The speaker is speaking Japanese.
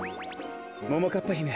ももかっぱひめ